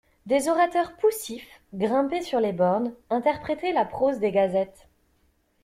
Des orateurs poussifs, grimpés sur les bornes, interprétaient la prose des gazettes.